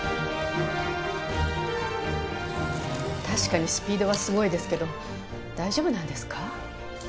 確かにスピードはすごいですけど大丈夫なんですか？